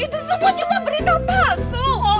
itu semua cuma berita palsu